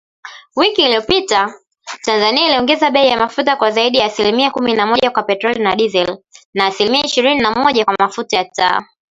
Wiki iliyopita, Tanzania iliongeza bei ya mafuta kwa zaidi ya asilimia kumi na moja kwa petroli na dizeli, na asilimia ishirini na moja kwa mafuta ya taa